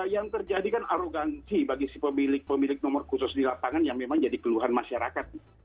yang terjadi kan arogansi bagi si pemilik pemilik nomor khusus di lapangan yang memang jadi keluhan masyarakat